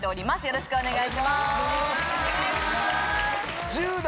よろしくお願いします。